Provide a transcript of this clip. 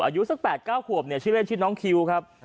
อายุสัก๘๙ขวบเนี่ยชื่อเล่นชื่อน้องคิวครับ